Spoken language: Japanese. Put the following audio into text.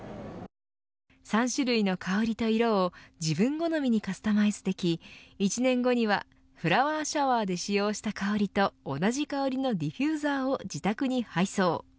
３種類の香りと色を自分好みにカスタマイズでき１年後には、フラワーシャワーで使用した香りと同じ香りのディフューザーを自宅に配送。